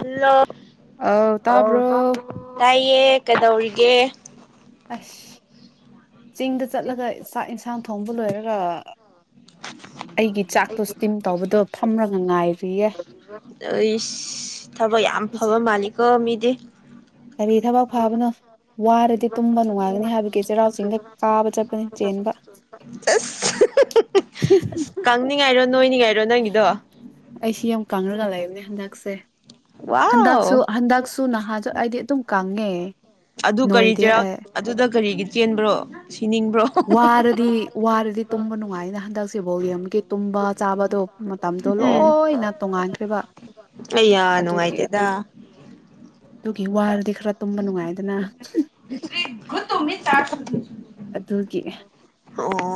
hello ꯑꯣ ꯇꯥꯕ꯭ꯔꯣ ꯇꯥꯏꯌꯦ ꯀꯩꯗꯧꯔꯤꯒꯦ ꯑꯁ ꯆꯤꯡꯗ ꯆꯠꯂꯒ ꯆꯥꯛ ꯏꯟꯁꯥꯡ ꯊꯣꯡꯕ ꯂꯣꯏꯔꯒ ꯑꯩꯒꯤ ꯆꯥꯛꯇꯣ ꯁ꯭ꯇꯤꯝ ꯇꯧꯕꯗꯣ ꯐꯝꯔꯒ ꯉꯥꯏꯔꯤꯌꯦ ꯎꯁ ꯊꯕꯛ ꯌꯥꯝ ꯐꯕ ꯃꯥꯜꯂꯤꯀꯣ ꯃꯤ ꯀꯔꯤ ꯊꯕꯛ ꯐꯥꯕꯅꯣ ꯋꯥꯔꯗꯤ ꯇꯨꯝꯕ ꯅꯨꯡꯉꯥꯏꯒꯅꯤ ꯍꯥꯏꯕꯒꯤ ꯆꯩꯔꯥꯎ ꯆꯤꯡꯗ ꯀꯥꯕ ꯆꯠꯄꯅꯤ ꯆꯦꯟꯕ ꯑꯁ ꯀꯪꯅꯤꯡꯉꯥꯏꯔꯣ ꯅꯣꯏꯅꯤꯡꯉꯥꯏꯔꯣ ꯅꯪꯒꯤꯗꯣ ꯑꯩꯁꯤ ꯌꯥꯝ ꯀꯪꯔꯒ ꯂꯩꯕꯅꯦ ꯍꯟꯗꯛꯁꯦ ꯋꯥꯎ ꯍꯟꯗꯛꯁꯨ ꯍꯟꯗꯛꯁꯨ ꯅꯍꯥꯁꯨ ꯑꯩꯗꯤ ꯑꯗꯨꯝ ꯀꯪꯉꯦ ꯑꯗꯨ ꯀꯔꯤ ꯅꯣꯏꯗꯦ ꯆꯩꯔꯥꯎ ꯑꯩ ꯑꯗꯨꯗ ꯀꯔꯤꯒꯤ ꯆꯦꯟꯕꯔꯣ ꯋꯥꯔꯗꯤ ꯋꯥꯔꯗꯤ ꯇꯨꯝꯕ ꯅꯨꯡꯉꯥꯏꯅ ꯍꯟꯗꯛꯁꯦ ꯕꯣꯜ ꯌꯦꯡꯕ ꯇꯨꯝꯕ ꯆꯥꯕꯗꯣ ꯃꯇꯝꯗꯣ ꯂꯣꯏꯅ ꯇꯣꯡꯉꯥꯟꯈ꯭ꯔꯦꯕ ꯑꯩ ꯌꯥ ꯅꯨꯡꯉꯥꯏꯇꯦꯗ ꯑꯗꯨꯒꯤ ꯋꯥꯔꯗꯤ ꯈꯔ ꯇꯨꯝꯕ ꯅꯨꯡꯉꯥꯏꯗꯅ [unintelligible] ꯑꯗꯨꯒꯤ ꯑꯣ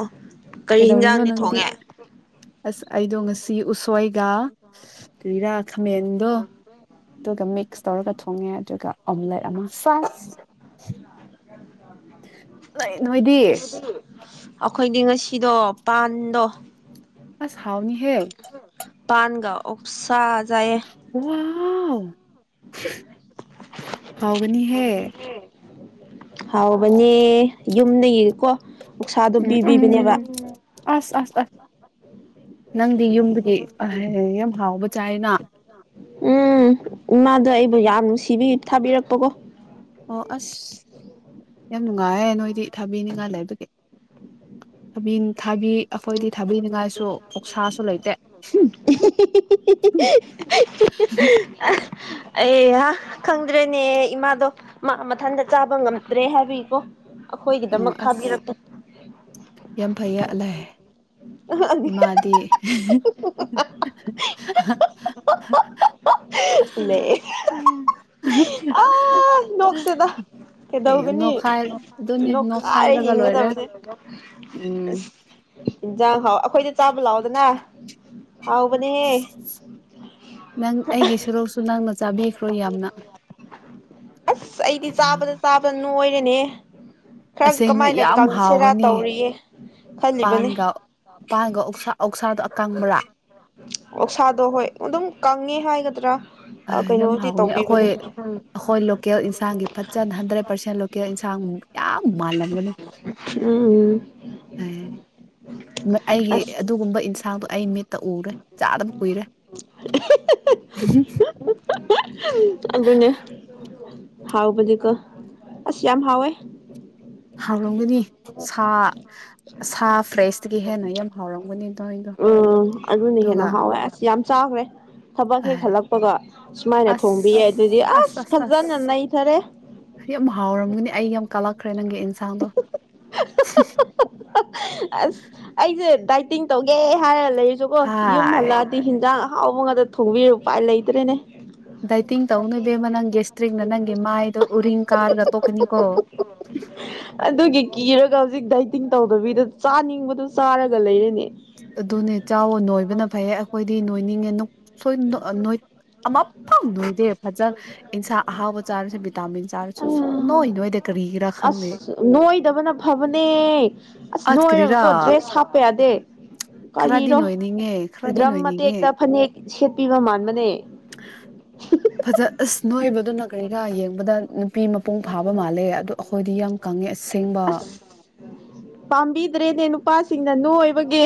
ꯀꯔꯤ ꯀꯩꯗꯧꯔꯤꯅꯣ ꯍꯤꯟꯖꯥꯡꯗꯤ ꯅꯪꯗꯤ ꯊꯣꯡꯉꯦ ꯑꯁ ꯑꯩꯗꯣ ꯉꯁꯤ ꯎꯁꯣꯏꯒ ꯀꯔꯤꯔꯤ ꯈꯥꯃꯦꯟꯗꯣ ꯑꯗꯨꯒ ꯃꯤꯛꯁ ꯇꯧꯔꯒ ꯊꯣꯡꯉꯦ ꯑꯗꯨꯒ ꯑꯣꯝꯂꯦꯠ ꯑꯃ ꯐ꯭ꯔꯥꯏꯁ [unintelligible] ꯂꯩ ꯅꯣꯏꯗꯤ ꯑꯩꯈꯣꯏꯗꯤ ꯉꯁꯤꯗꯣ ꯄꯥꯟꯗꯣ ꯑꯁ ꯍꯥꯎꯅꯤ ꯍꯦ ꯄꯥꯟꯒꯥ ꯑꯣꯛꯁ ꯖ ꯋꯥꯎ ꯍꯥꯎꯒꯅꯤꯍꯦ ꯍꯥꯎꯒꯅꯤ ꯌꯨꯝꯗꯒꯤꯀꯣ ꯑꯣꯛꯁꯥꯗꯣ ꯎꯝ ꯎꯝ ꯄꯤꯕꯤꯕꯅꯦꯕ ꯑꯁ ꯑꯁ ꯑꯁ ꯅꯪꯗꯤ ꯌꯨꯝꯕꯨꯗꯤ ꯌꯥꯝ ꯍꯥꯎꯕ ꯆꯥꯏꯅ ꯎꯝ ꯏꯃꯥꯗꯣ ꯑꯩꯕꯨ ꯌꯥꯝ ꯅꯨꯡꯁꯤꯕꯤ ꯊꯥꯕꯤꯔꯛꯄꯀꯣ ꯑꯣ ꯑꯁ ꯌꯥꯝ ꯅꯨꯡꯉꯥꯏꯔꯦ ꯅꯣꯏꯗꯤ ꯊꯥꯕꯤꯅꯤꯡꯉꯥꯏ ꯂꯩꯕꯒꯤ ꯊꯕꯤ ꯊꯥꯕꯤ ꯑꯩꯈꯣꯏꯗꯤ ꯊꯥꯕꯤꯅꯤꯡꯉꯥꯏꯁꯨ ꯑꯣꯛꯁꯥꯁꯨ ꯂꯩꯇꯦ [unintelligible] ꯑꯩ ꯍꯤ ꯈꯪꯗ꯭ꯔꯦꯅꯦ ꯏꯃꯥꯗꯣ ꯃꯥ ꯃꯊꯟꯇ ꯆꯥꯕ ꯉꯝꯗ꯭ꯔꯦ ꯍꯥꯏꯕꯤꯒꯤꯀꯣ ꯑꯣ ꯑꯩꯈꯣꯏꯒꯤꯗꯃꯛ ꯑꯁ ꯊꯥꯕꯤꯔꯛꯄꯅꯦ ꯌꯥꯝ ꯐꯩꯌꯦ ꯂꯩ ꯏꯃꯥꯗꯤ [unintelligible] [unintelligible] ꯂꯩ ꯑ ꯅꯣꯛꯁꯤꯗ ꯍꯦ ꯀꯩꯗꯧꯒꯅꯤ ꯅꯣꯈꯥꯏ ꯑꯗꯨꯅꯤ ꯅꯣꯛꯈꯥꯏꯔ ꯅꯣꯈꯥꯏꯕꯅ ꯂꯣꯏꯔꯦ ꯍꯤꯡꯒꯗꯕꯅꯦ ꯎꯝ ꯏꯟꯁꯥꯡ ꯍꯥꯎ ꯑꯩꯈꯣꯏꯗ ꯆꯥꯕ ꯂꯥꯎꯑꯣꯗꯅ ꯍꯥꯎꯕꯅꯦꯍꯦ ꯅꯪ ꯑꯩꯒꯤ ꯁꯔꯣꯛꯁꯨ ꯅꯪꯅ ꯆꯥꯕꯤꯈ꯭ꯔꯣ ꯌꯥꯝꯅ ꯑꯁ ꯑꯩꯗꯤ ꯑꯌꯥ ꯆꯥꯕꯗ ꯆꯥꯕꯗ ꯅꯣꯏꯔꯦꯅꯦ ꯈꯔ ꯑꯁꯦꯡꯕ ꯀꯃꯥꯏꯅ ꯌꯥꯝ ꯀꯪꯁꯤꯔꯥ ꯍꯥꯎꯒꯅꯤ ꯇꯧꯔꯤꯌꯦ ꯈꯜꯂꯤꯕꯅꯦ ꯄꯥꯟꯒ ꯄꯥꯟꯒ ꯑꯣꯛꯁꯥꯗꯣ ꯑꯀꯪꯕꯔꯥ ꯑꯣꯛꯁꯥꯗꯣ ꯍꯣꯏ ꯑꯗꯨꯝ ꯀꯪꯉꯦ ꯍꯥꯏꯒꯗ꯭ꯔꯥ ꯌꯥꯝ ꯀꯩꯅꯣꯗꯤ ꯍꯥꯎꯅꯦ ꯑꯩꯈꯣꯏ ꯇꯧꯕꯤꯕꯅꯦ ꯑꯩꯈꯣꯏ ꯂꯣꯀꯦꯜ ꯏꯟꯁꯥꯡꯒꯤ ꯐꯖꯅ ꯍꯟꯗ꯭ꯔꯦꯠ ꯄꯥꯔꯁꯦꯟ ꯂꯣꯀꯦꯜ ꯏꯟꯁꯥꯡ ꯌꯥꯝ ꯃꯥꯜꯂꯝꯒꯅꯤ ꯎꯝ ꯐꯩꯌꯦ ꯑꯩꯒꯤ ꯑꯁ ꯑꯗꯨꯒꯨꯝꯕ ꯏꯟꯁꯥꯡꯗꯨ ꯑꯩ ꯃꯤꯠ ꯃꯤꯇ ꯎꯔꯦ ꯆꯥꯗꯕ ꯀꯨꯏꯔꯦ ꯑꯗꯨꯅꯦ ꯍꯥꯎꯕ ꯅꯤꯀꯣ ꯑꯁ ꯌꯥꯝ ꯍꯥꯎꯋꯤ ꯍꯥꯎꯔꯝꯒꯅꯤ ꯁꯥ ꯁꯥ ꯐ꯭ꯔꯦꯁꯇꯒꯤ ꯍꯦꯟꯅ ꯌꯥꯝ ꯍꯥꯎꯔꯝꯒꯅꯤ ꯅꯣꯏꯗꯣ ꯎꯝ ꯑꯗꯨꯅ ꯍꯦꯟꯅ ꯑꯗꯨꯒ ꯍꯥꯎꯋꯦ ꯑꯁ ꯌꯥꯝ ꯆꯥꯈ꯭ꯔꯦ ꯊꯕꯛ ꯍꯦꯛ ꯍꯠꯂꯛꯄꯒ ꯁꯨꯃꯥꯏꯅ ꯊꯣꯡꯕꯤꯌꯦꯗꯤ ꯑꯁ ꯐꯖꯅ ꯅꯩꯊꯔꯦ ꯌꯥꯝ ꯍꯥꯎꯔꯝꯒꯅꯤ ꯑꯩ ꯌꯥꯝ ꯀꯥꯜꯂꯛꯈ꯭ꯔꯦ ꯅꯪꯒꯤ ꯏꯟꯁꯥꯡꯗꯣ ꯑꯁ ꯑꯩꯁꯦ ꯗꯥꯏꯠ ꯇꯧꯒꯦ ꯍꯥꯏꯔ ꯂꯩꯔꯁꯨꯀꯣ ꯌꯨꯝ ꯍꯥꯏ ꯍꯜꯂꯛꯑꯗꯤ ꯍꯤꯟꯖꯥꯡ ꯑꯍꯥꯎꯕ ꯉꯥꯛꯇ ꯊꯣꯡꯕꯤꯔ ꯎꯄꯥꯏ ꯂꯩꯇ꯭ꯔꯦꯅꯦ ꯍ [unintelligible] ꯗꯥꯏꯇꯤꯡ ꯇꯧꯅꯣ ꯏꯕꯦꯝꯃꯥ ꯅꯪ ꯒꯦꯁꯇ꯭ꯔꯤꯛꯅ ꯅꯪꯒꯤ ꯃꯥꯏꯗꯣ ꯎꯔꯤꯡ ꯀꯥꯔꯒ ꯇꯣꯛꯀꯅꯤꯀꯣ ꯑꯗꯨꯒꯤ ꯀꯤꯔꯒ ꯍꯧꯖꯤꯛ ꯗꯥꯏꯇꯤꯡ ꯇꯧꯗꯕꯤꯗ ꯆꯥꯅꯤꯡꯕꯗꯨ ꯆꯥꯔꯒ ꯂꯩꯔꯅꯦ ꯑꯗꯨꯅꯦ ꯆꯥꯎꯑꯣ ꯅꯣꯏꯕꯅ ꯐꯩꯌꯦ ꯑꯩꯈꯣꯏꯗꯤ ꯅꯣꯏꯅꯤꯡꯉꯦ ꯑꯃ ꯐꯪꯘꯦꯏꯅꯦ ꯐꯖꯅ ꯏꯟꯁꯥꯡ ꯑꯍꯥꯎꯕ ꯆꯥꯔꯁꯨ ꯚꯤꯇꯥꯃꯤꯟ ꯆꯥꯔꯁꯨ ꯑꯌꯥ ꯁꯨꯛ ꯅꯣꯏ ꯅꯣꯏꯗꯦ ꯀ ꯑꯁ ꯅꯣꯏꯗꯕꯅ ꯐꯕꯅꯦ ꯑꯁ ꯅꯣꯏꯔꯒꯀꯣ ꯗ꯭ꯔꯦꯁ ꯍꯥꯞꯄ ꯌꯥꯗꯦ ꯈꯔꯗꯤ ꯀꯔꯤꯔꯣ ꯅꯣꯏꯅꯤꯡꯉꯦ ꯈꯔꯗꯤ ꯗ꯭ꯔꯝ ꯅꯣꯏꯅꯤꯡꯉꯦ ꯃꯇꯦꯛꯇ ꯐꯅꯦꯛ ꯁꯦꯠꯄꯤꯕ ꯃꯥꯟꯕꯅꯦ ꯐꯖ ꯑꯁ ꯅꯣꯏꯕꯗꯨꯅ ꯀꯔꯤꯔꯥ ꯌꯦꯡꯕꯗ ꯅꯨꯞ ꯄꯤ ꯃꯄꯨꯡ ꯐꯥꯕ ꯃꯥꯜꯂꯦ ꯑꯗꯨ ꯑꯩꯈꯣꯏꯗꯤ ꯌꯥꯡ ꯀꯪꯉꯦ ꯑꯁꯦꯡꯕ ꯄꯥꯝꯕꯤꯗ꯭ꯔꯦꯅꯦ ꯅꯨꯄꯥꯁꯤꯡꯅ ꯅꯣꯏꯕꯒꯤ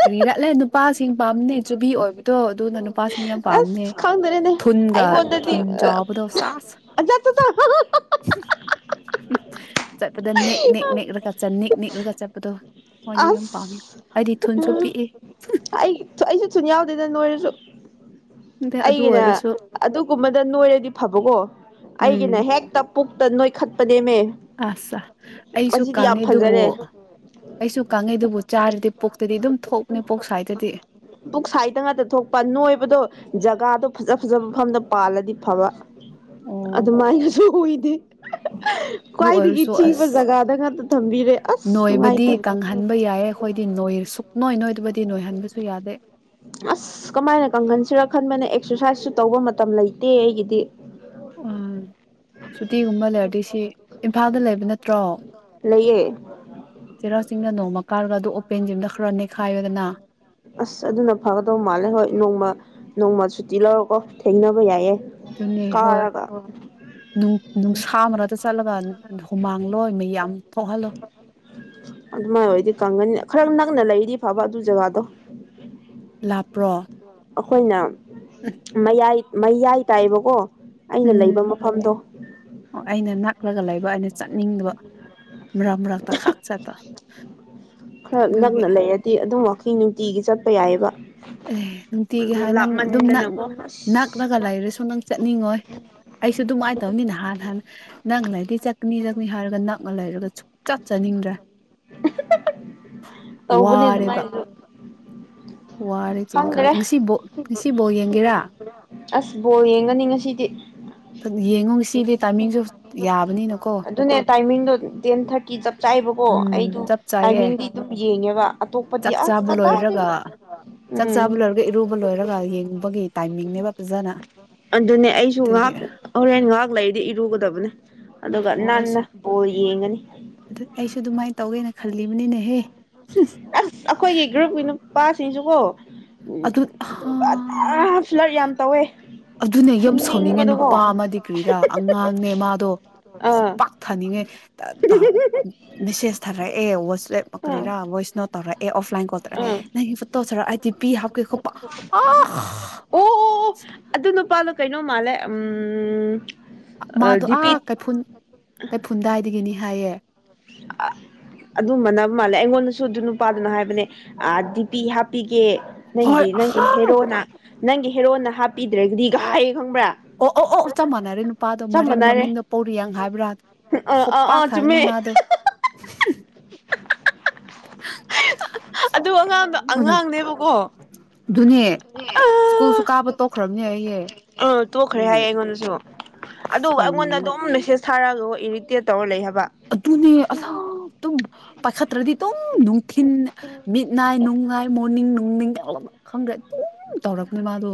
ꯀꯔꯤ ꯔꯠꯂꯦ ꯅꯨꯄꯥꯁꯤꯡ ꯄꯥꯝꯅꯦ ꯆꯨꯕꯤ ꯑꯣꯏꯕꯗꯣ ꯑꯗꯨꯅ ꯅꯨꯄꯥꯁꯤꯡ ꯌꯥꯝ ꯄꯥꯝꯅꯦ ꯑꯁ ꯈꯪꯗ꯭ꯔꯦꯅꯦ ꯊꯨꯟꯒ ꯑꯩꯉꯣꯟꯗꯗꯤ ꯊꯨꯟ ꯆꯥꯎꯕꯗꯣ ꯁꯥꯁ [unintelligible] ꯆꯠꯄꯗ ꯅꯦꯛ ꯅꯦꯛ ꯅꯦꯛꯂꯒ ꯅꯤꯛ ꯅꯤꯛꯂꯒ ꯆꯠꯄꯗꯣ ꯍꯣꯏꯗꯤ ꯌꯥꯝ ꯄꯥꯝꯃꯦ ꯑꯁ ꯑꯩꯗꯤ ꯊꯨꯟꯁꯨ ꯎꯝ ꯄꯤꯛꯏ ꯑꯩ ꯑꯩꯁꯨ ꯊꯨꯟ ꯌꯥꯎꯗꯦꯗ ꯅꯣꯏꯔꯁꯨ ꯑꯗ ꯑꯗꯨ ꯑꯩꯒꯤꯅ ꯑꯣꯏꯔꯁꯨ ꯑꯗꯨꯒꯨꯝꯕꯗ ꯅꯣꯏꯔꯗꯤ ꯐꯕꯀꯣ ꯎꯝ ꯑꯩꯒꯤꯅ ꯍꯦꯛꯇ ꯄꯨꯛꯇ ꯅꯣꯏꯈꯠꯄꯅꯦꯃꯦ ꯑꯁꯁꯥ ꯑꯩꯁꯨ ꯑꯁꯤꯗꯤ ꯌꯥꯝ ꯀꯪꯉꯦ ꯑꯗꯨꯕꯨ ꯐꯖꯔꯦ ꯑꯩꯁꯨ ꯀꯪꯉꯦꯗꯨꯕꯨ ꯆꯥꯔꯗꯤ ꯄꯨꯛꯇꯗꯤ ꯑꯗꯨꯝ ꯊꯣꯛꯅꯤ ꯄꯣꯛ ꯁ꯭ꯋꯥꯏꯗꯗꯤ ꯄꯨꯛ ꯁꯥꯏꯗ ꯉꯥꯛꯇ ꯊꯣꯛꯄ ꯅꯣꯏꯕꯗꯣ ꯖꯒꯥꯗꯣ ꯐꯖ ꯐꯖꯕ ꯃꯐꯝꯗ ꯄꯥꯜꯂꯗꯤ ꯐꯕ ꯑꯣ ꯑꯗꯨ ꯃꯥꯥꯏꯅꯁꯨꯨ ꯑꯣꯏꯗꯦ ꯑꯗꯨ ꯈ꯭ꯋꯥꯏꯗꯒꯤ ꯑꯣꯏꯔꯁꯨ ꯊꯤꯕ ꯑꯁ ꯖꯒꯥꯗ ꯉꯥꯛꯇ ꯊꯝꯕꯤꯔꯦ ꯑꯁ ꯅꯨꯡꯉꯥꯏꯇꯦ ꯅꯣꯏꯌꯦ ꯁꯨꯛ ꯅꯣꯏ ꯅꯣꯏꯗꯕꯗꯤ ꯅꯣꯏꯍꯟꯕꯁꯨ ꯌꯥꯗꯦ ꯑꯁ ꯀꯃꯥꯏꯅ ꯀꯪꯍꯟꯁꯤꯔ ꯈꯟꯕꯅꯦ ꯑꯦꯛꯁꯔꯁꯥꯏꯖꯁꯨ ꯇꯧꯕ ꯃꯇꯝ ꯂꯩꯇꯦ ꯑꯩꯒꯤꯗꯤ ꯑꯣ ꯁꯨꯇꯤꯒꯨꯝꯕ ꯂꯩꯔꯗꯤ ꯁꯤ ꯏꯝꯐꯥꯜꯗ ꯂꯩꯕ ꯅꯠꯇ꯭ꯔꯣ ꯂꯩꯌꯦ ꯆꯩꯔꯥꯎ ꯆꯤꯡꯅ ꯅꯣꯡꯃ ꯀꯥꯔꯒ ꯑꯗꯨ ꯑꯣꯄꯦꯟ ꯖꯤꯝꯗ ꯈꯔ ꯅꯦꯛꯈꯥꯏꯌꯨꯗꯅ ꯑꯁ ꯑꯗꯨꯅ ꯐꯒꯗꯧ ꯃꯥꯜꯂꯦ ꯍꯣꯏ ꯅꯣꯡꯃ ꯅꯣꯡꯃ ꯁꯨꯇꯤ ꯂꯧꯔꯣꯀꯣ ꯊꯦꯡꯅꯕ ꯌꯥꯏꯌꯦ ꯑꯗꯨꯅꯦ ꯍꯣꯏ ꯀꯥꯔꯒ ꯅꯨꯡ ꯅꯨꯡꯁꯥ ꯃꯔꯛꯇ ꯆꯠꯂꯒ ꯍꯨꯃꯥꯡ [unintelligible] ꯃꯤꯌꯥꯝ ꯊꯣꯛꯍꯜꯂꯣ ꯑꯗꯨꯃꯥꯏꯅ ꯑꯣꯏꯔꯗꯤ ꯀꯪꯒꯅꯤ ꯈꯔ ꯅꯛꯅ ꯂꯩꯔꯗꯤ ꯐꯕ ꯑꯗꯨ ꯖꯒꯥꯗꯣ ꯂꯥꯞꯄ꯭ꯔꯣ ꯑꯩꯈꯣꯏꯅ ꯃꯌꯥꯏ ꯃꯌꯥꯏ ꯇꯥꯏꯕꯀꯣ ꯑꯩꯅ ꯂꯩꯕ ꯎꯝ ꯃꯐꯝꯗꯣ ꯈꯔꯒ ꯂꯩꯕ ꯑꯩꯅ ꯆꯠꯅꯤꯡꯗꯕ ꯃꯔꯛ ꯃꯔꯛꯇ ꯈꯥꯛ ꯆꯠꯄ ꯈꯔ ꯑꯗꯨꯒꯤ ꯅꯛꯅ ꯂꯩꯔꯗꯤ ꯑꯗꯨꯝ ꯋꯥꯀꯤꯡ ꯅꯨꯡꯇꯤꯒꯤ ꯆꯠꯄ ꯌꯥꯏꯌꯦꯕ ꯑꯦ ꯅꯨꯡꯇꯤꯒꯤ ꯍꯥꯏ ꯅꯪ ꯑꯗꯨꯝ ꯅꯛ ꯑꯁ ꯅꯛꯂꯒ ꯂꯩꯔꯁꯨ ꯅꯪ ꯆꯠꯅꯤꯡꯉꯣꯏ ꯑꯩꯁꯨ ꯑꯗꯨꯃꯥꯏꯅ ꯇꯧꯅꯤꯅ ꯍꯥꯟ ꯍꯥꯟꯅ ꯅꯪꯅ ꯂꯩꯗꯤ ꯆꯥꯛꯅꯤ ꯆꯛꯅꯤ ꯍꯥꯏꯔꯒ ꯅꯛꯅ ꯂꯩꯔꯒ ꯆ ꯆꯥꯅꯤꯡꯗ꯭ꯔꯦ ꯇꯧꯕꯅꯦ ꯋꯥꯔꯦꯕ ꯑꯗꯨꯃꯥꯏꯅꯁꯨ ꯋꯥꯔꯦ ꯆꯤꯡꯀꯥ ꯈꯪꯗ꯭ꯔꯦ ꯉꯁꯤꯕꯧ ꯉꯁꯤ ꯕꯣꯜ ꯌꯦꯡꯒꯦꯔꯥ ꯑꯁ ꯕꯣꯜ ꯌꯦꯡꯒꯅꯤ ꯉꯁꯤꯗꯤ ꯌꯦꯡꯉꯨ ꯉꯁꯤꯗꯤ ꯇꯥꯏꯃꯤꯡꯁꯨ ꯌꯥꯕꯅꯤꯅꯀꯣ ꯑꯗꯨꯅꯦ ꯇꯥꯏꯃꯤꯡꯗꯣ ꯇꯦꯟ ꯊ꯭ꯔꯥꯠ ꯀꯤ ꯆꯞ ꯆꯥꯏꯕꯀꯣ ꯎꯝ ꯑꯩꯗꯨ ꯆꯞ ꯆꯥꯏꯌꯦ ꯇꯥꯏꯃꯤꯡꯗꯤ ꯑꯗꯨꯝ ꯌꯦꯡꯉꯦꯕ ꯑꯇꯣꯞꯄꯗꯤ ꯆꯥꯛ ꯑꯁ ꯆꯥꯕ ꯂꯣꯏꯔꯒ ꯀꯗꯥꯏꯗꯒꯤ ꯆꯥꯛ ꯎꯝ ꯆꯥꯕ ꯂꯣꯏꯔꯒ ꯏꯔꯨꯕ ꯂꯣꯏꯔꯒ ꯌꯦꯡꯕꯒꯤ ꯇꯥꯏꯃꯤꯡꯅꯦ ꯐꯖꯥꯅ ꯑꯗꯨꯅꯦ ꯑꯩꯁꯨ ꯉꯥꯏꯍꯥꯛ ꯍꯣꯔꯦꯟ ꯉꯥꯏꯍꯥꯛ ꯂꯩꯔꯤꯗꯤ ꯏꯔꯨꯒꯗꯕꯅꯦ ꯑꯗꯨꯒ ꯑꯣ ꯅꯟꯅ ꯑꯩꯁꯨ ꯕꯣꯜ ꯌꯦꯡꯉꯅꯤ ꯑꯗꯨ ꯑꯩꯁꯨ ꯑꯗꯨꯃꯥꯏꯅ ꯇꯧꯒꯦꯅ ꯈꯜꯂꯤꯕꯅꯤꯅꯦꯍꯦ ꯑꯁ ꯑꯩꯈꯣꯏꯒꯤ ꯒ꯭ꯔꯨꯞꯀꯤ ꯅꯨꯄꯥꯁꯤꯡꯁꯨꯀꯣ ꯎꯝ ꯑꯗꯨ ꯍꯥ ꯑꯗꯨꯒ ꯑꯗꯥ ꯐ꯭ꯂꯔ ꯌꯥꯝ ꯇꯧꯋꯦ ꯑꯗꯨꯅ ꯌꯨꯝ ꯁꯧꯅꯤꯡꯉꯦ ꯐꯨꯅꯤꯡꯕꯗꯀꯣ ꯅꯨꯄꯥ ꯑꯃꯗꯤ ꯀꯒ꯭ꯔꯤꯔꯥ ꯑꯉꯥꯡꯅꯦ ꯃꯥꯗꯣ ꯑꯥ ꯈꯨꯄꯥꯛꯊꯅꯤꯡꯉꯦ ꯇ ꯇꯥ ꯃꯁꯦꯁ ꯊꯥꯔꯛꯑꯦ ꯋꯆꯦꯞ ꯑꯥ ꯀꯔꯤꯔꯥ ꯅꯣꯏꯁꯅ ꯇꯧꯔꯛꯑꯦ ꯑꯣꯐ ꯥꯂꯥꯏꯟ ꯀꯣꯜꯇ ꯑꯥ ꯅꯪꯒꯤ ꯐꯣꯇꯣꯁꯦ ꯑꯏ ꯗꯤ ꯄꯤ ꯍꯥꯞꯀꯦ ꯈꯣꯠꯄ ꯑꯥ [inaudible] ꯑꯣ ꯑꯣ ꯑꯣ ꯑꯗꯨ ꯅꯨꯄꯥꯗꯣ ꯀꯩꯅꯣ ꯃꯥꯜꯂꯦ ꯎꯝ ꯃꯥꯗꯣ ꯑꯥ ꯗꯤꯄꯤ ꯀꯩꯐꯨꯟ ꯀꯩꯐꯨꯜꯗꯥꯏꯗꯒꯤꯅꯤ ꯍꯥꯏꯌꯦ [inaudible] ꯑꯗꯨꯝ ꯃꯥꯟꯅꯕ ꯃꯥꯜꯂꯦ ꯑꯩꯉꯣꯟꯗꯁꯨ ꯑꯗꯨ ꯅꯨꯄꯥꯗꯨꯅ ꯍꯥꯏꯕꯅꯦ ꯑ ꯗꯤꯄꯤ ꯍꯥꯞꯄꯤ ꯀꯦ ꯍꯣꯏ ꯅꯪꯒꯤ ꯅꯪꯒꯤ ꯑꯍ ꯍꯦꯔꯣꯅ ꯅꯪꯒꯤ ꯍꯦꯔꯣꯅ ꯍꯥꯞꯄꯤꯗ꯭ꯔꯒꯗꯤꯒ ꯍꯥꯏ ꯑꯣ ꯑꯣ ꯑꯣ ꯆꯞ ꯃꯥꯟꯅꯔꯦ ꯅꯨꯄꯥꯗꯣ ꯆꯞ ꯃꯔꯤꯡ ꯃꯥꯟꯅꯔꯦ ꯃꯃꯤꯡꯗ ꯄꯧꯔꯤꯌꯪ ꯍꯥꯏꯕ꯭ꯔꯥ ꯑꯥ ꯑꯥ ꯈꯣꯞꯄꯥꯛ ꯑꯥ ꯆꯨꯝꯃꯦ ꯊꯥꯒꯅꯤ ꯃꯥꯗꯣ [unintelligible] [unintelligible] ꯑꯗꯨ ꯑꯉꯥꯡꯗꯣ ꯁꯥꯎꯅꯤꯡꯕꯅ ꯑꯉꯥꯡꯅꯦꯕꯀꯣ ꯑꯗꯨꯅꯦ ꯑ ꯁ꯭ꯀꯨꯜꯁꯨ ꯀꯥꯕ ꯇꯣꯛꯈ꯭ꯔꯕꯅꯦ ꯑꯩꯌꯦ [unintelligible] ꯑ ꯇꯣꯛꯈ꯭ꯔꯦ ꯑꯗꯨꯒꯤ ꯍꯥꯏꯌꯦ ꯑꯩꯉꯣꯟꯗꯁꯨ ꯑꯗꯨꯕꯨ ꯑꯩꯉꯣꯟꯗ ꯁꯥꯎꯅꯤꯡꯉꯦ ꯑꯗꯨꯝ ꯃꯦꯁꯦꯁ ꯊꯥꯔꯛꯒ ꯏꯔꯤꯇꯦꯠ ꯇꯧꯔ ꯂꯩ ꯍꯥꯏꯕ ꯑꯗꯨꯅꯦ [unintelligible] ꯄꯥꯏꯈꯠꯇ꯭ꯔꯗꯤ ꯑꯗꯨꯝ ꯅꯨꯡꯊꯤꯟ ꯃꯤꯠꯅꯥꯏ ꯅꯨꯡꯅꯥꯏ ꯃꯣꯔꯅꯤꯡ ꯅꯨꯡꯅꯤꯡ ꯗꯨꯝ ꯈꯪꯗ꯭ꯔꯦ ꯑꯗꯨꯝ ꯇꯧꯔꯛꯄꯅꯦ ꯃꯥꯗꯣ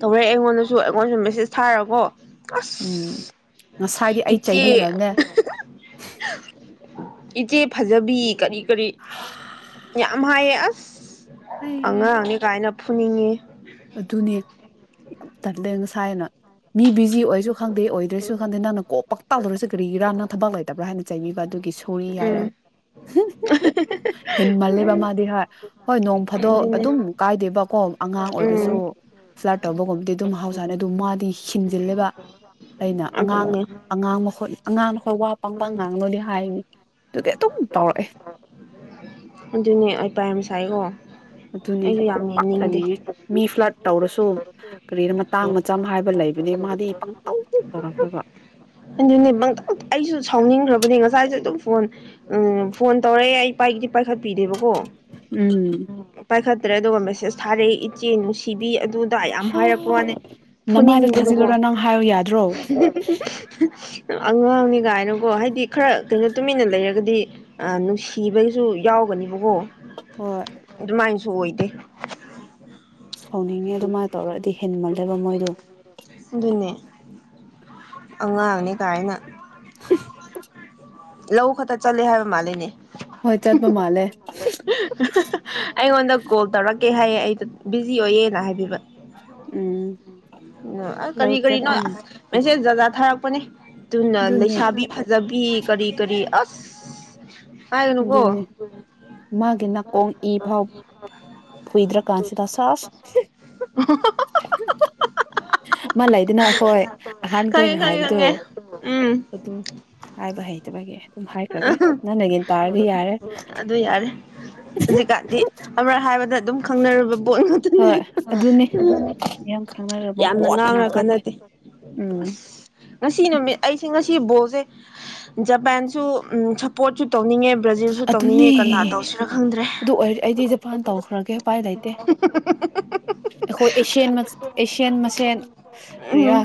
ꯇꯧꯔꯦ ꯑꯩꯉꯣꯟꯗꯁꯨ ꯑꯩꯉꯣꯟꯗꯁꯨ ꯃꯦꯁꯦꯁ ꯊꯥꯔꯀꯣ ꯎꯝ ꯉꯁꯥꯏꯗꯤ ꯑꯁ ꯑꯩ ꯏꯆꯦ ꯆꯩꯕꯤꯈ꯭ꯔꯕꯅꯦ [unintelligible] ꯏꯆꯦ ꯐꯖꯕꯤ ꯀꯔꯤ ꯀꯔꯤ ꯌꯥꯝ ꯍꯥꯏꯌꯦ ꯑꯁ ꯑꯩ ꯑꯉꯥꯡꯅꯦ ꯀꯥꯏꯅ ꯐꯨꯅꯤꯡꯉꯤ ꯑꯗꯨꯅꯦ ꯌꯥꯝ ꯇꯜꯂꯦ ꯉꯁꯥꯏꯅ ꯃꯤ ꯕꯤꯖꯤ ꯑꯣꯏꯁꯨ ꯈꯪꯗꯦ ꯑꯣꯏꯗ꯭ꯔꯦꯁꯨ ꯈꯪꯗꯦ ꯅꯪꯅ ꯀꯣꯜ ꯄꯛꯇꯧ ꯇꯩꯔꯤꯁꯦ ꯀꯔꯤꯒꯤꯔꯥꯅꯪ ꯊꯕꯛ ꯂꯩꯇꯕ꯭ꯔꯥ ꯍꯥꯏꯅ ꯆꯩꯕꯤꯕ ꯑꯗꯨꯒꯤ ꯁꯣꯔꯤ ꯎꯝ ꯍꯥꯏꯔꯦ [unintelligible] ꯍꯦꯟꯃꯜꯂꯦꯕ ꯃꯥꯗꯤ ꯍꯣꯏ ꯍꯣꯏ ꯅꯣꯡ ꯐꯥꯗꯣꯛ ꯑꯗꯨꯅꯦ ꯑꯗꯨꯝ ꯀꯥꯏꯗꯦꯕꯀꯣ ꯑꯉꯥꯡ ꯑꯣꯏꯔꯁꯨ ꯎꯝ ꯐ꯭ꯂꯥꯔꯠ ꯇꯧꯕꯒꯨꯝꯕꯗꯤ ꯑꯗꯨꯝ ꯃꯍꯥꯎꯁꯥꯅꯤ ꯑꯗꯨ ꯃꯥꯗꯤ ꯍꯤꯡꯖꯤꯜꯂꯦꯕ ꯑꯩꯅ ꯑꯉꯥꯡ ꯑꯗꯨꯅꯦ ꯑꯉꯥꯡ ꯃꯈꯨꯠ ꯑꯉꯥꯡꯅꯈꯣꯏ ꯋꯥ ꯄꯪꯄꯪ ꯉꯥꯡꯒꯅꯣꯗꯤ ꯍꯥꯏꯅꯤ ꯑꯗꯨꯒꯤ ꯑꯗꯨꯝ ꯇꯧꯔꯛꯑꯦ ꯑꯗꯨꯅꯦ ꯑꯩ ꯄꯥ ꯌꯥꯝ ꯁꯥꯏꯀꯣ ꯑꯗꯨꯅꯤ ꯈꯨꯄꯥꯛꯊꯅꯤꯡꯉꯤ ꯃꯤ ꯐ꯭ꯂꯔꯠ ꯇꯧꯔꯁꯨ ꯀꯔꯤꯔ ꯃꯇꯥꯡ ꯃꯆꯝ ꯍꯥꯏꯕ ꯂꯩꯕꯅꯦ ꯃꯥꯗꯤ ꯄꯪꯇꯧ ꯇꯧꯔꯛꯇ꯭ꯔꯕ ꯑꯗꯨꯅꯦ ꯄꯪꯇꯧ ꯑꯩꯁꯨ ꯁꯥꯎꯅꯤꯡꯈ꯭ꯔꯕꯅꯦ ꯉꯁꯥꯏꯁꯨ ꯑꯗꯨꯝ ꯐꯣꯟ ꯎꯝ ꯐꯣꯟ ꯇꯧꯔꯛꯑꯦ ꯑꯩ ꯄꯥꯏ ꯄꯥꯏꯈꯠꯄꯤꯗꯦꯕꯀꯣ ꯎꯝ ꯄꯥꯏꯈꯠ ꯇ꯭ꯔꯦ ꯑꯗꯨꯒ ꯃꯦꯁꯦꯁ ꯊꯥꯔꯛꯏ ꯏꯆꯦ ꯅꯨꯡꯁꯤꯕꯤ ꯑ ꯑꯗꯨꯗ ꯌꯥꯝ ꯍꯥ ꯍꯥꯏꯔꯛꯄ ꯋꯥꯅꯦ ꯅꯃꯥꯏꯗ ꯐꯨꯅꯤꯡꯕꯗꯨꯀꯣ ꯊꯥꯖꯤꯜꯂꯨꯔ ꯅꯪ ꯍꯥꯏꯌꯨ ꯌꯥꯗ꯭ꯔꯣ [unintelligible] ꯑꯉꯥꯡꯅꯤꯒꯥꯏꯅꯀꯣ ꯍꯥꯏꯗꯤ ꯈꯔ ꯀꯩꯅꯣ ꯇꯨꯃꯤꯟꯅ ꯂꯩꯔꯒꯗꯤ ꯑ ꯅꯨꯡꯁꯤꯕꯒꯤꯁꯨ [unintelligible] ꯌꯥꯎꯒꯅꯦꯕꯀꯣ ꯍꯣꯏ ꯑꯗꯨꯃꯥꯏꯅꯁꯨ ꯑꯣꯏꯗꯦ ꯁꯥꯎꯅꯤꯡꯉꯦ ꯑꯗꯨꯃꯥꯏ ꯇꯧꯔꯗꯤ ꯍꯦꯟꯃꯜꯂꯦꯕ ꯃꯣꯏꯗꯣ ꯑꯉꯥꯡꯅꯤ ꯀꯥꯏꯅ ꯂꯧ ꯈꯠꯇ ꯆꯠꯂꯦ ꯍꯥꯏꯕ ꯃꯥꯜꯂꯤꯅꯦ ꯍꯣꯏ ꯆꯠꯄ ꯃꯥꯜꯂꯦ [unintelligible] ꯑꯩꯉꯣꯟꯗ ꯀꯣꯜ ꯇꯧꯔꯛ ꯑꯦ ꯍꯥꯏꯌꯦ ꯑꯩꯗ ꯕꯤꯖꯤ ꯑꯣꯏꯌꯦꯅ ꯍꯥꯏꯕꯤꯕ ꯎꯝ [unintelligible] ꯂꯧ ꯀꯔꯤ ꯀꯔꯤꯅꯣ ꯆꯠꯄ ꯑꯁ ꯃꯦꯁꯦꯖ ꯖꯥꯠ ꯖꯥꯠ ꯊꯥꯔꯛꯄꯅꯦ ꯑꯗꯨꯅ ꯑꯗꯨꯅꯦ ꯂꯩꯁꯥꯕꯤ ꯐꯖꯕꯤ ꯄꯤ ꯀꯔꯤ ꯀꯔꯤ ꯑꯁ ꯄꯥꯏꯒꯅꯨꯀꯣ ꯑꯗꯨꯅꯦ ꯃꯥꯒꯤ ꯅꯥꯀꯣꯡ ꯏ ꯐꯥꯎ ꯐꯨꯏꯗ꯭ꯔ ꯀꯥꯟꯁꯤꯗ ꯁꯥꯁ [unintelligible] ꯃꯥ ꯂꯩꯗꯅ ꯑꯩꯈꯣꯏ ꯑꯍꯥꯟ ꯈꯪꯉꯦ ꯈꯣꯢꯅ ꯈꯪꯉꯦ ꯍꯥꯏꯕꯗꯣ ꯈꯪꯉꯦ ꯎꯝ ꯑꯗꯨ ꯍꯥꯏꯕ ꯍꯩꯇꯕꯒꯤ ꯑꯗꯨꯝ ꯍꯥꯏꯈ꯭ꯔꯒꯦ ꯅꯪꯅꯒꯤ ꯑꯗꯨ ꯌꯥꯔꯦ ꯍꯧꯖꯤꯛꯀꯥꯟꯗꯤ ꯑꯃꯔꯛ ꯍꯥꯏꯕꯗ ꯑꯗꯨꯝ ꯈꯪꯅꯔꯕ ꯄꯣꯠ ꯉꯥꯛꯇꯅꯦ ꯍꯣꯏ ꯑꯗꯨꯅꯦ ꯌꯥꯝ [unintelligible] ꯈꯪꯅꯔꯕ ꯌꯥꯝꯅ ꯄꯣꯠ ꯉꯥꯡꯔ ꯉꯥꯛꯇꯅꯦ ꯀꯥꯟꯅꯗꯦ ꯎꯝ ꯑꯁ ꯉꯁꯤ ꯅꯨꯃꯤꯠ ꯑꯩꯁꯦ ꯉꯁꯤ ꯕꯣꯜ ꯖ ꯖꯄꯥꯟꯁꯨ ꯁꯄꯣꯠꯁꯨ ꯇꯧꯅꯤꯡꯉꯦ ꯕ꯭ꯔꯥꯖꯤꯜꯁꯨ ꯑꯗꯨꯅꯦ ꯇꯧꯅꯤꯡꯉꯦ ꯀꯅꯥ ꯇꯧꯁꯤꯔ ꯈꯪꯗ꯭ꯔꯦ ꯑꯗꯨ ꯑꯣꯏꯔꯗꯤ ꯑꯩꯗꯤ ꯖꯄꯥꯟ ꯇꯧꯈ꯭ꯔꯒꯦ ꯎꯄꯥꯏ ꯂꯩꯇꯦ [unintelligible] ꯑꯩꯈꯣꯏ ꯑꯦꯁꯤꯌꯥꯟ ꯑꯁꯤꯟꯌꯥꯟ ꯃꯁꯦꯟ ꯀꯔꯤꯔꯥ ꯎꯝ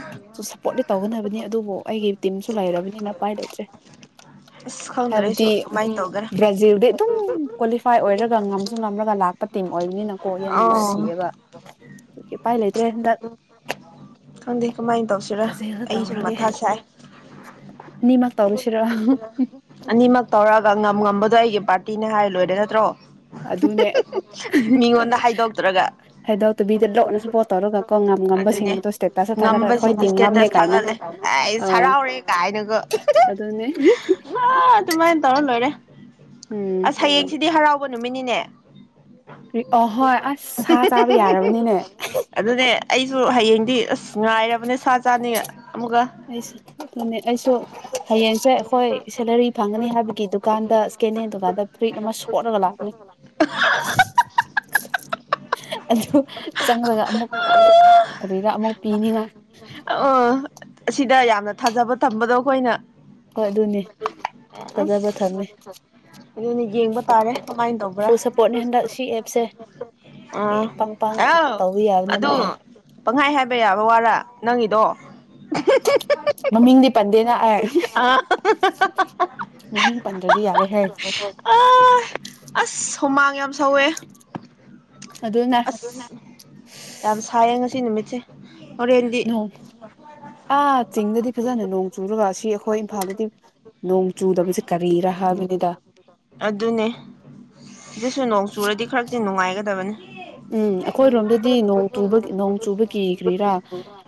ꯁꯞꯄꯣꯔꯠꯇꯤ ꯇꯧꯒꯗꯕꯅꯤ ꯑꯗꯨꯕꯨ ꯑꯩꯒꯤ ꯇꯤꯝꯁꯨ ꯂꯩꯔꯕꯅꯤꯅ ꯄꯥꯏ ꯂꯩꯇ꯭ꯔꯦ [unintelligible] ꯈꯪꯗ꯭ꯔꯦ ꯑꯩꯁꯨ ꯍꯥꯏꯕꯗꯤ ꯀꯃꯥꯏꯅ ꯇꯧꯒꯦꯔꯥ ꯕ꯭ꯔꯥꯖꯤꯜꯗꯤ ꯑꯗꯨꯝ ꯀ꯭ꯋꯥꯂꯤꯐꯥꯏ ꯑꯣꯏꯔꯒ ꯉꯝꯁꯨ ꯉꯝꯔꯒ ꯂꯥꯛꯄ ꯄ ꯇꯤꯝ ꯑꯣꯏꯕꯅꯤꯅꯀꯣ ꯌꯥꯝ ꯑꯥꯎ ꯅꯨꯡꯁꯤꯌꯦꯕ ꯑꯗꯨꯒꯤ ꯎꯄꯥꯏ ꯂꯩꯇ꯭ꯔꯦ ꯍꯟꯗꯛ [unintelligible] ꯈꯪꯗꯦ ꯀꯃꯥꯏ ꯇꯧꯁꯤꯔꯥ ꯑꯩꯁꯨꯨ ꯃꯊꯥ ꯁꯥꯏ ꯅꯤꯃꯛ ꯇꯧꯔꯁꯤꯔ ꯑꯅꯤꯃꯛ ꯇꯧꯔꯒ ꯉꯝ ꯉꯝꯕꯗꯣ ꯑꯩꯒꯤ ꯄꯥꯔꯇꯤꯅꯦ ꯍꯥꯏꯔ ꯂꯣꯏꯔꯦ ꯅꯠꯇ꯭ꯔꯣ ꯑꯗꯨꯅꯦ [unintelligible] ꯃꯤꯉꯣꯟꯗ ꯍꯥꯏꯗꯣꯛꯇ꯭ꯔꯒ ꯍꯥꯏꯗꯣꯛꯇꯕꯤꯗ ꯂꯣꯠꯅ ꯁꯞꯄꯣꯔꯠ ꯇꯧꯔꯒ ꯀꯣ ꯉꯝ [unintelligible] ꯑꯗꯨꯅꯦ ꯉꯝꯕꯁꯤꯡꯕꯗꯣ ꯁ꯭ꯇꯦꯇꯁꯇ ꯊꯥꯒꯠꯂꯒ ꯑꯩꯈꯣꯏ ꯉꯝꯕꯁꯤꯡꯗꯣ ꯇꯤꯝ ꯉꯝꯃꯦ ꯁ꯭ꯇꯦꯇꯁ ꯀꯥꯏꯅ ꯊꯥꯒꯠꯂꯦ ꯑꯥꯁ ꯑꯥ ꯍꯔꯥꯎꯔꯦ ꯀꯥꯏꯅꯒ ꯍꯨꯝ ꯑꯗꯨꯅꯦ ꯍꯨꯝ [unintelligible] ꯑꯗꯨꯃꯥꯏ ꯇꯧꯔ ꯂꯣꯏꯔꯦ ꯎꯝ ꯑꯁ ꯍꯌꯦꯡꯁꯤꯗꯤ ꯍꯔꯥꯎ ꯕ ꯅꯨꯃꯤꯅꯤꯅꯦ ꯑꯍꯣꯏ ꯑꯁ ꯁꯥ ꯆꯥꯕ ꯌꯥꯔꯕꯅꯤꯅꯦ [unintelligible] ꯑꯗꯨꯅꯦ ꯑꯩꯁꯨ ꯍꯌꯦꯡꯗꯤ ꯑꯁ ꯉꯥꯏꯔꯕꯅꯦ ꯁꯥ ꯆꯥꯅꯤꯡꯉꯥꯢ ꯑꯩꯁꯨ ꯑꯗꯨꯅꯦ ꯑꯩꯁꯨ ꯍꯌꯦꯡꯁꯦ ꯑꯩꯈꯣꯏ ꯁꯦꯂꯔꯤ ꯐꯪꯒꯅꯤ ꯍꯥꯏꯕꯒꯤ ꯗꯨꯀꯥꯟꯗ ꯁꯀꯦꯟ ꯍꯦꯟ ꯗꯨꯀꯥꯟꯗ ꯐ꯭ꯔꯤꯠ ꯑꯃ ꯁꯣꯠꯂꯒ ꯂꯥꯛꯄꯅꯤ [unintelligible] ꯑꯗꯨ ꯆꯪꯂꯒ ꯑꯃꯨꯛ ꯀꯔꯤꯔꯥ ꯑꯃꯨꯛ ꯄꯤꯅꯤꯉꯥꯢ ꯑ ꯑꯁꯤꯗ ꯌꯥꯝꯅ ꯊꯥꯖꯕ ꯊꯝꯕꯗꯣ ꯑꯩꯈꯣꯏꯅ ꯍꯣꯏ ꯑꯗꯨꯅꯦ ꯊꯥꯖꯕ ꯑꯁ ꯊꯝꯃꯦ ꯑꯗꯨꯅ ꯌꯦꯡꯕ ꯇꯥꯔꯦ ꯀꯃꯥꯏ ꯇꯧꯕ꯭ꯔꯥ ꯁꯞꯄꯣꯔꯠꯅꯤ ꯍꯟꯗꯛ ꯁꯤ ꯑꯦꯞꯁꯦ ꯑꯥ ꯄꯪ ꯄꯪ ꯑꯥꯎ ꯇꯧꯕ ꯌꯥꯕ ꯑꯗꯨ ꯅꯠꯇꯦ ꯄꯪꯍꯥꯢ ꯍꯥꯏ ꯍꯥꯏꯕ ꯌꯥꯕ ꯋꯥꯔ ꯅꯪꯒꯤꯗꯣ ꯃꯃꯤꯡꯗꯤ ꯄꯟꯗꯦꯅ ꯑꯩ ꯑ ꯃꯃꯤꯡ ꯄꯟꯗ꯭ꯔꯗꯤ ꯌꯥꯔꯦꯍꯦ ꯑ [unintelligible] ꯑꯁ ꯍꯨꯃꯥꯡ ꯌꯥꯝ ꯁꯧꯋꯦ ꯑꯗꯨꯅ ꯑꯁ ꯌꯥꯝ ꯁꯥꯏꯌꯦ ꯉꯁꯤ ꯅꯨꯃꯤꯠ ꯅꯣꯡ ꯑꯥ ꯆꯤꯡꯗꯗꯤ ꯐꯖꯅ ꯅꯣꯡ ꯆꯨꯔꯒ ꯑꯁꯤ ꯑꯩꯈꯣꯏ ꯈꯣꯏ ꯏꯝꯐꯥꯜꯗꯗꯤ ꯅꯣꯡ ꯆꯨꯗꯕꯁꯦ ꯀꯔꯤꯔꯥ ꯍꯥꯏꯕꯅꯤꯗ ꯑꯗꯨꯁꯨ ꯅꯣꯡ ꯆꯨꯔꯗꯤ ꯈꯔꯗꯤ ꯅꯨꯡꯉꯥꯏꯒꯗꯕꯅꯤ ꯎꯝ ꯑꯩꯈꯣꯏꯔꯣꯝꯗꯗꯤꯒꯤ ꯅꯣꯡꯇꯨꯕ ꯅꯣꯡꯆꯨꯕꯒꯤ ꯀ꯭ꯔꯤꯔꯥ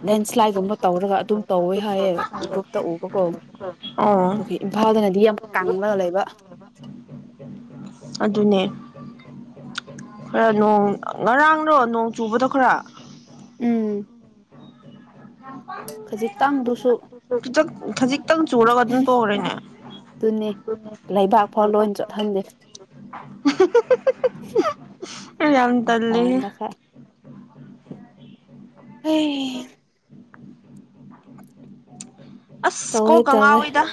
ꯂꯦꯟꯁ꯭ꯂꯥꯏꯠꯀꯨꯝꯕ ꯇꯧꯔꯒ ꯑꯗꯨꯝ ꯇꯧꯋꯦ ꯍꯥꯏꯌꯦ ꯒ꯭ꯔꯨꯞꯇ ꯎꯕ ꯑꯣꯀꯣ ꯑꯣ ꯑꯗꯨꯒ ꯏꯝꯐꯥꯜꯗꯅꯗꯤ ꯌꯥꯝ ꯀꯥꯡꯂ ꯂꯩꯕ ꯑꯗꯨꯅꯦ ꯈꯔ ꯅꯣꯡ ꯉꯔꯥꯡꯗꯣ ꯅꯣꯡ ꯆꯨꯕꯗꯣ ꯈꯔ ꯎꯝ ꯈꯖꯤꯛꯇꯪꯗꯨꯁꯨ [unintelligible] ꯈꯖꯛ ꯈꯖꯤꯛꯇꯪ ꯆꯨꯔꯒ ꯑꯗꯨꯝ ꯇꯣꯛꯈ꯭ꯔꯦꯅꯦ ꯑꯗꯨꯅꯤ ꯄꯨ ꯂꯩꯕꯥꯛ ꯐꯥꯎ ꯂꯣꯏ ꯐꯥꯗ ꯆꯣꯠꯍꯟꯗꯦ ꯆ [inaudible] [unintelligible] ꯌꯥꯝ ꯇꯜꯂꯦꯍꯦ [inaudible] ꯃꯄꯥꯟꯗ ꯈꯔ ꯍꯩ ꯑꯁ ꯇꯧꯋꯦ ꯀꯣꯛꯀ ꯇꯧꯋꯦ ꯉꯥꯎꯋꯤꯗ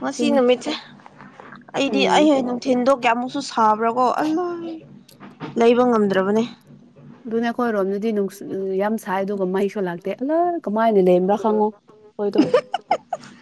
ꯉꯁꯤ ꯑꯗꯨꯅꯤ ꯅꯨꯃꯤꯠꯁꯦ ꯑꯩꯗꯤ ꯑꯩ ꯎꯝ ꯍ ꯅꯨꯡꯊꯤꯟꯗꯣ ꯀꯌꯥꯃꯨꯛꯁꯨ ꯁꯥꯕ꯭ꯔ ꯀꯣ ꯑꯂꯥꯏ ꯂꯩꯕ ꯉꯝꯗ꯭ꯔꯕꯅꯦ ꯈꯣꯏꯔꯣꯝꯗꯗꯤ ꯅꯨꯡꯁ ꯑꯝ ꯌꯥꯝ ꯁꯥꯏ ꯑꯗꯨꯒ ꯃꯩꯁꯨ ꯂꯥꯛꯇꯦ ꯑꯂꯥ ꯀꯃꯥꯏꯅ ꯂꯩꯔꯕ꯭ꯔꯥ ꯈꯪꯉꯣ ꯈꯣꯢꯗꯣ ꯑ [inaudible]